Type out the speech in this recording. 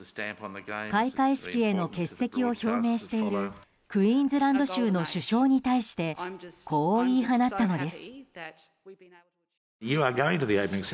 開会式への欠席を表明しているクイーンズランド州の首相に対してこう言い放ったのです。